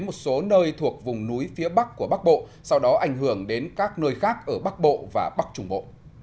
một số nơi thuộc vùng núi phía bắc của bắc bộ sau đó ảnh hưởng đến các nơi khác ở bắc bộ và bắc trung bộ